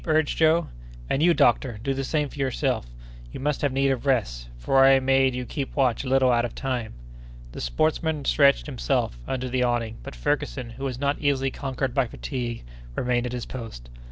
urged Joe. "And you, doctor, do the same yourself: you must have need of rest, for I made you keep watch a little out of time." The sportsman stretched himself under the awning; but Ferguson, who was not easily conquered by fatigue, remained at his post.